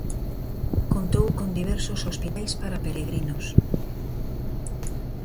Contou con diversos hospitais para peregrinos.